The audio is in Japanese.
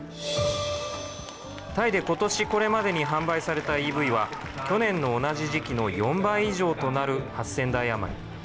タイでことしこれまでに販売されたＥＶは、去年の同じ時期の４倍以上となる８０００台余り。